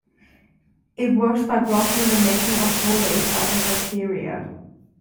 It works by blocking the making of folate by the bacteria.